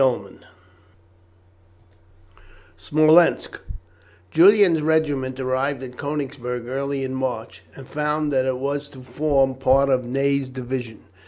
CHAPTER X SMOLENSK Julian's regiment arrived at Konigsberg early in March, and found that it was to form part of Ney's division.